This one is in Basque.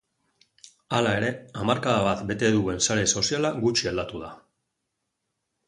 Hala ere, hamarkada bat bete duen sare soziala gutxi aldatu da.